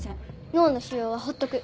脳の腫瘍は放っとく。